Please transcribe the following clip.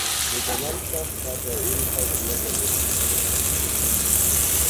Mit der Mannschaft trat er ebenfalls in der Champions League an.